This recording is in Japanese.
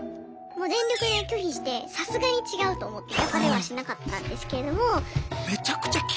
もう全力で拒否してさすがに違うと思って焼かれはしなかったんですけれども。